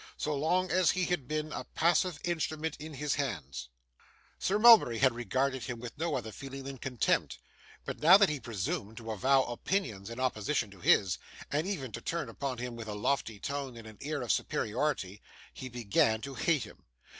So long as he had been a passive instrument in his hands, Sir Mulberry had regarded him with no other feeling than contempt; but, now that he presumed to avow opinions in opposition to his, and even to turn upon him with a lofty tone and an air of superiority, he began to hate him.